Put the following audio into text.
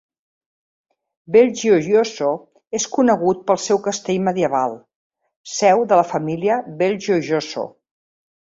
Belgioioso és conegut pel seu castell medieval, seu de la família Belgiojoso.